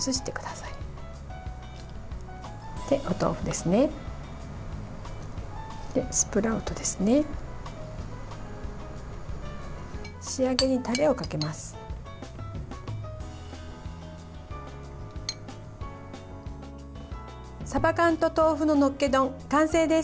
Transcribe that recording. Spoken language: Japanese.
さば缶と豆腐ののっけ丼完成です。